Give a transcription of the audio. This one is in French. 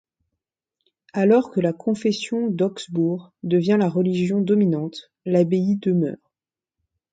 Alors que la confession d'Augsbourg devient la religion dominante, l'abbaye demeure.